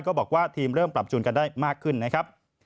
บอกว่าทีมเริ่มปรับจูนกันได้มากขึ้นนะครับ